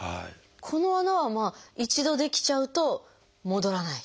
この穴は一度出来ちゃうと戻らない？